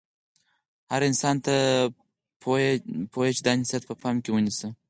هر انسان ته پویه چې دا نصحیت په پام کې ونیسي.